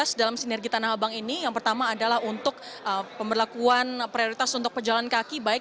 selamat berjalan kembali